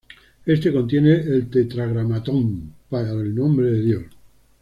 Este contiene el tetragrámaton para el nombre de Dios.